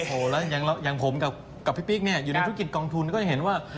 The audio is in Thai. โอ้โหแล้วอย่างผมกับพี่ปิ๊กเนี่ยอยู่ในธุรกิจกองทุนก็จะเห็นว่า